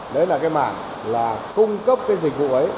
đấy là cái mảng là cung cấp cái dịch vụ ấy